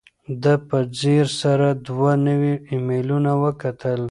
ده په ځیر سره دوه نوي ایمیلونه وکتل.